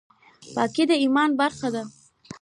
پاکي د ایمان برخه ده